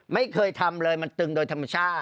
ไม่เคยทำเลยมันตึงโดยธรรมชาติ